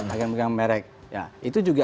agar menganggap merek itu juga